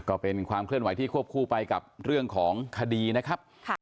ก็เป็นความเคลื่อนไหวที่ควบคู่ไปกับเรื่องของคดีนะครับ